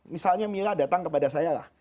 misalnya mila datang kepada saya lah